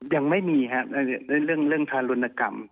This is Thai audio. ยังไม่มีครับเรื่องทารุณกรรม